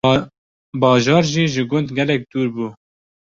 bajar jî ji gund gelek dûr bû.